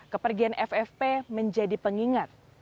kepergian ffp menjadi pengingat